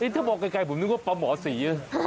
ถ้ามองไกลผมนึกว่าปลาหมอสีนะ